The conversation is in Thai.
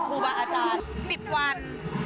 ครูบาอาจารย์๑๐วัน